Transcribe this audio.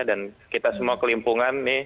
dan kita semua kelimpungan nih